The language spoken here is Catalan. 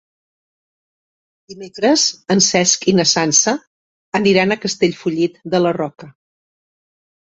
Dimecres en Cesc i na Sança aniran a Castellfollit de la Roca.